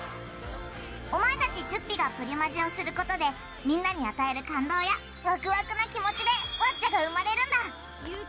お前たちチュッピがプリマジをすることでみんなに与える感動やワクワクな気持ちでワッチャが生まれるんだ。